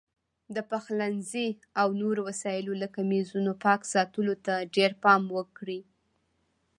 د پخلنځي او نورو وسایلو لکه میزونو پاک ساتلو ته ډېر پام وکړئ.